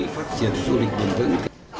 phát triển du lịch bền vững